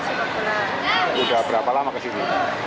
sudah berapa lama kesini